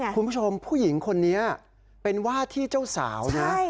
คุณผู้ชมผู้หญิงคนนี้เป็นว่าที่เจ้าสาวนะ